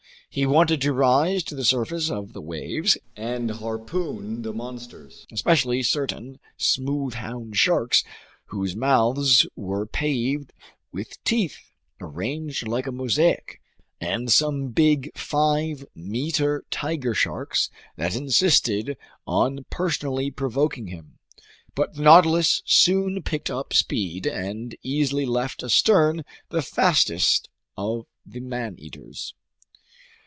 He wanted to rise to the surface of the waves and harpoon the monsters, especially certain smooth hound sharks whose mouths were paved with teeth arranged like a mosaic, and some big five meter tiger sharks that insisted on personally provoking him. But the Nautilus soon picked up speed and easily left astern the fastest of these man eaters.